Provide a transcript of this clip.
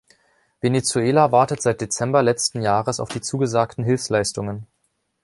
Venezuela wartet seit Dezember letzten Jahres auf die zugesagten Hilfsleistungen.